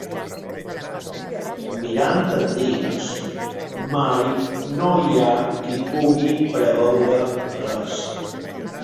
Mirant endins, mai no hi ha qui pugui preveure res.